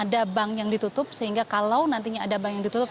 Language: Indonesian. ada bank yang ditutup sehingga kalau nantinya ada bank yang ditutup